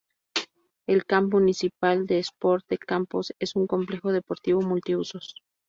El Camp Municipal d'Esports de Campos es un complejo deportivo multiusos.